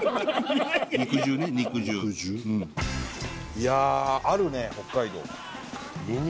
いやあるね北海道。